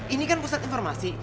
ini kan pusat informasi